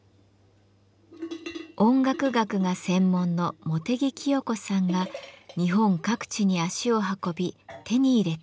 音楽学が専門の茂手木潔子さんが日本各地に足を運び手に入れた鈴。